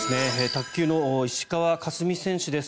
卓球の石川佳純選手です。